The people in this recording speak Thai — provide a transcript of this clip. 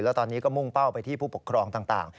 แล้วตอนนี้ก็มุ่งเป้าไปที่ผู้ปกครองต่าง